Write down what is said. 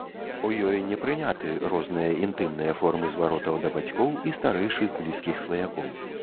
У ёй не прыняты розныя інтымныя формы зваротаў да бацькоў і старэйшых блізкіх сваякоў.